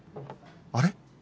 あれ？